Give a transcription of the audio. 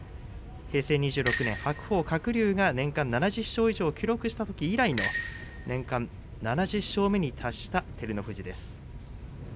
平成２６年に白鵬、鶴竜が年間７０勝以上を記録したとき以来の、年間７０勝目に達した照ノ富士です。